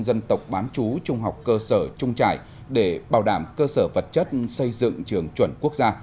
dân tộc bán chú trung học cơ sở trung trải để bảo đảm cơ sở vật chất xây dựng trường chuẩn quốc gia